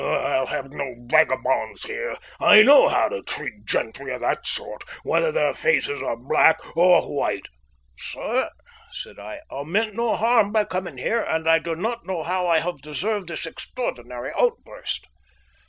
I'll have no vagabonds here. I know how to treat gentry of that sort, whether their faces are black or white." "Sir," said I, "I meant no harm by coming here, and I do not know how I have deserved this extraordinary outburst.